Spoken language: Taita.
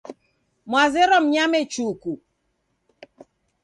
Mwazerwa mnyame chuku.